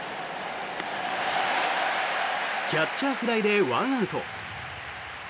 キャッチャーフライで１アウト。